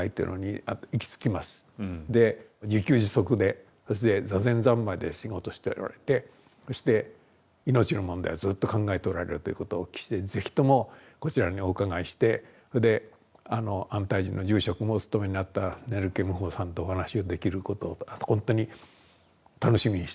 で自給自足でそして坐禅三昧で仕事しておられてそして命の問題をずっと考えておられるということをお聞きして是非ともこちらにお伺いしてそれで安泰寺の住職もお務めになったネルケ無方さんとお話ができることをほんとに楽しみにして伺ったわけです。